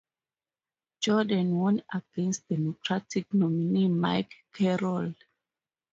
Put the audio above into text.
Jordan won against Democratic nominee Mike Carroll.